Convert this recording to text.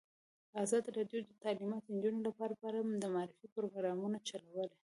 ازادي راډیو د تعلیمات د نجونو لپاره په اړه د معارفې پروګرامونه چلولي.